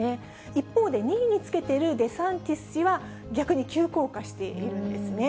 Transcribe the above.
一方で２位につけているデサンティス氏は逆に急降下しているんですね。